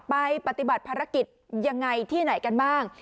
ปฏิบัติภารกิจยังไงที่ไหนกันบ้าง